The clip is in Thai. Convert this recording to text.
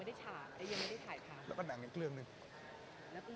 แล้วก็หนังอีกเรื่องหนึ่ง